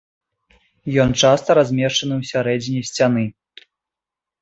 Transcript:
Ён часта размешчаны ў сярэдзіне сцяны.